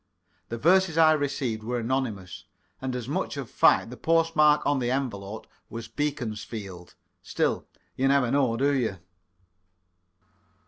The verses I received were anonymous, and as a matter of fact the postmark on the envelope was Beaconsfield. Still, you never know, do you?